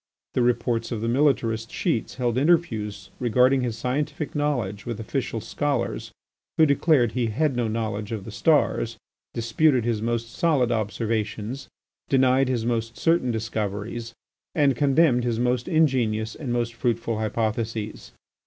The reporters of the militarist sheets held interviews regarding his scientific knowledge with official scholars, who declared he had no knowledge of the stars, disputed his most solid observations, denied his most certain discoveries, and condemned his most ingenious and most fruitful hypotheses.